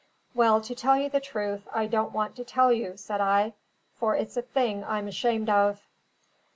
"Well, to tell you the truth, I don't want to tell you," said I; "for it's a thing I'm ashamed of."